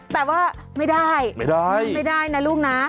แต่ว่าไม่ได้ไม่ได้นะลูกนะ